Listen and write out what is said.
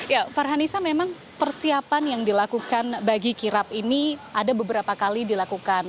ya farhanisa memang persiapan yang dilakukan bagi kirap ini ada beberapa kali dilakukan